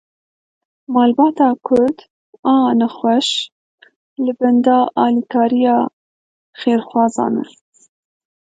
Malbata Kurd a nexweş li benda alîkariya xêrxwazan e.